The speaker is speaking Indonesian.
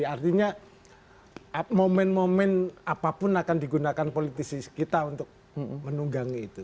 artinya momen momen apapun akan digunakan politisi kita untuk menunggangi itu